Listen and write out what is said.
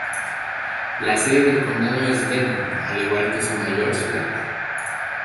La sede del condado es Deming, al igual que su mayor ciudad.